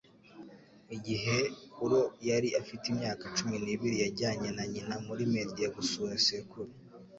Igihe Kuro yari afite imyaka cumi n'ibiri yajyanye na nyina muri Media gusura sekuru.